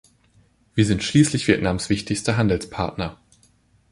Wir sind schließlich Vietnams wichtigster Handelspartner.